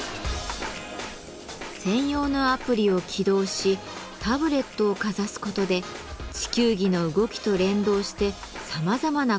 専用のアプリを起動しタブレットをかざすことで地球儀の動きと連動してさまざまなコンテンツを楽しむことができます。